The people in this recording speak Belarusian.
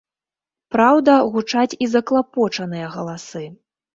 Праўда, гучаць і заклапочаныя галасы.